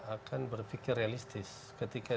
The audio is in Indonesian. akan berpikir realistis ketika